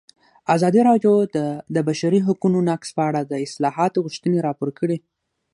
ازادي راډیو د د بشري حقونو نقض په اړه د اصلاحاتو غوښتنې راپور کړې.